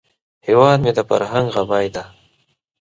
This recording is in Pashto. هیواد مې د فرهنګ غمی دی